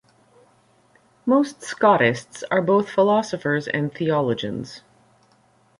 Most Scotists are both philosophers and theologians.